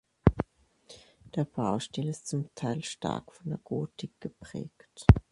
Der Baustil ist zum Teil stark von der Gotik geprägt.